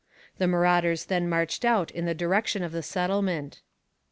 The marauders then marched out in the direction of the settlement.